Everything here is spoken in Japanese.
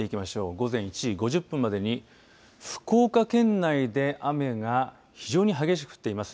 午前１時５０分までに福岡県内で雨が非常に激しく降っています。